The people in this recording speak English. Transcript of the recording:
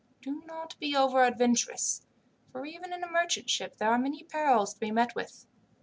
Do not be over adventurous, for even in a merchant ship there are many perils to be met with.